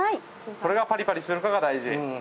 これがパリパリするかが大事。